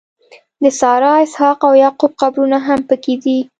د سارا، اسحاق او یعقوب قبرونه هم په کې دي.